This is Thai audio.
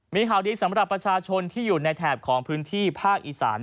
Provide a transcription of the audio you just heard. มีข่าวดีสำหรับประชาชนที่อยู่ในแถบของพื้นที่ภาคอีสาน